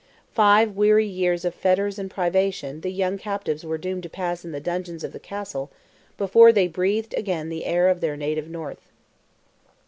Five weary years of fetters and privation the young captives were doomed to pass in the dungeons of the Castle before they breathed again the air of their native North.